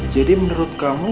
jadi menurut kamu